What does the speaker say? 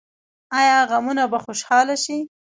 آیا غمونه به خوشحالي شي؟